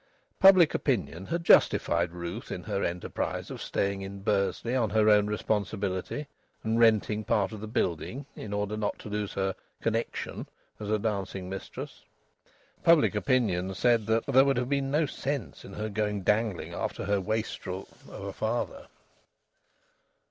Public opinion had justified Ruth in her enterprise of staying in Bursley on her own responsibility and renting part of the building, in order not to lose her "connection" as a dancing mistress. Public opinion said that "there would have been no sense in her going dangling after her wastrel of a father."